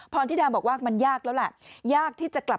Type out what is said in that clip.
พรธิดาบอกว่ามันยากแล้วล่ะ